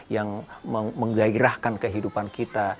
yang menggairahkan kehidupan kita